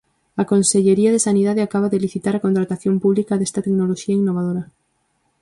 A Consellería de Sanidade acaba de licitar a contratación pública desta tecnoloxía innovadora.